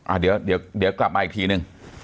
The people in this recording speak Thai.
อ่าเดี๋ยวกลับมาอีกทีนึง